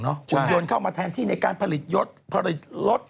หุ่นยนต์เข้ามาแทนที่ในการผลิตยศผลิตรถ